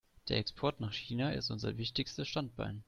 Der Export nach China ist unser wichtigstes Standbein.